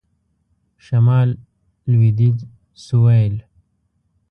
شمال .. لویدیځ .. سوېل ..